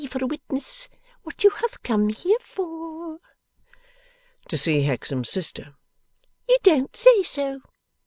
for a witness, what you have come here for.' 'To see Hexam's sister.' 'You don't say so!